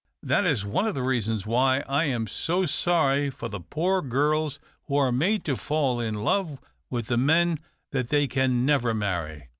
That is one of the reasons why I am so sorry for the poor girls who are made to fall in love with the men that they can never marry."